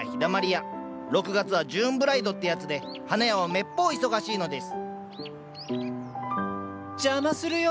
６月はジューンブライドってやつで花屋はめっぽう忙しいのです邪魔するよ。